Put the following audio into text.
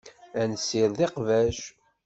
Ad nessired iqbac.